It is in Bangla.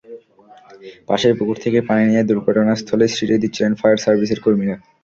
পাশের পুকুর থেকে পানি নিয়ে দুর্ঘটনাস্থলে ছিটিয়ে দিচ্ছিলেন ফায়ার সার্ভিসের কর্মীরা।